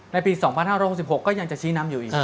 ปี๒๕๖๖ก็ยังจะชี้นำอยู่อีก